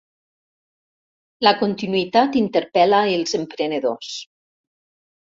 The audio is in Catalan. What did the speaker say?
La continuïtat interpel·la els emprenedors.